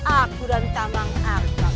aku dan tamang agak